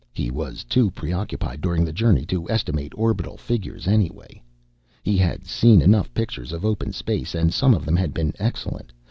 He was too preoccupied during the journey to estimate orbital figures, anyway. He had seen enough pictures of open space, and some of them had been excellent.